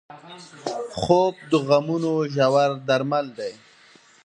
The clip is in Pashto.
خوب د غمونو ژور درمل دی